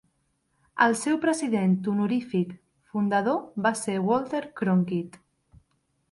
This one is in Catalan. El seu president honorífic fundador va ser Walter Cronkite.